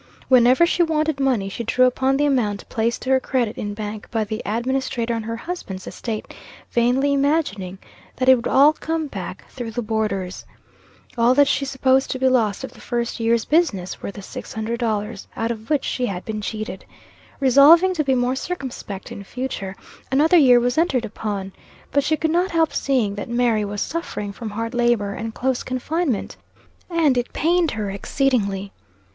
Whenever she wanted money, she drew upon the amount placed to her credit in bank by the administrator on her husband's estate, vainly imagining that it would all come back through the boarders. All that she supposed to be lost of the first year's business were the $600, out of which she had been cheated. Resolving to be more circumspect in future, another year was entered upon. But she could not help seeing that Mary was suffering from hard labor and close confinement, and it pained her exceedingly.